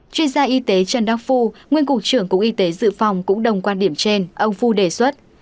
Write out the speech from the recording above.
chuyên gia y tế trần đắc phu nguyên cục trưởng cục y tế dự phòng cũng đồng quan điểm trên ông phu đề xuất